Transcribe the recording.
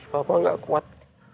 papa gak kuat